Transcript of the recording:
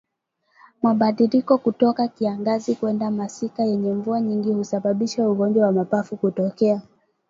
Mabadiliko kutoka kiangazi kwenda masika yenye mvua nyingi husababisha ugonjwa wa mapafu kutokea